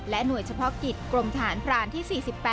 หน่วยเฉพาะกิจกรมทหารพรานที่๔๘